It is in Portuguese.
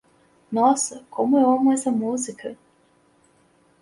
Nossa, como eu amo essa música.